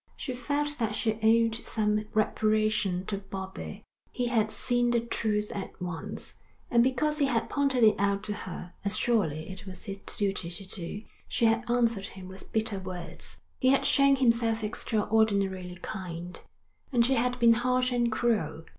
She felt that she owed some reparation to Bobbie: he had seen the truth at once, and because he had pointed it out to her, as surely it was his duty to do, she had answered him with bitter words. He had shown himself extraordinarily kind, and she had been harsh and cruel.